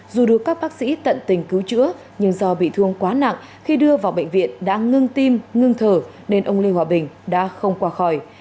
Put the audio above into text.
dù được các bác sĩ tận tình cứu chữa nhưng do bị thương quá nặng khi đưa vào bệnh viện đã ngưng tim ngưng thở nên ông lê hòa bình đã không qua khỏi